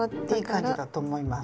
いい感じだと思います。